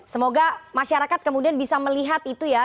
semoga masyarakat kemudian bisa melihat itu ya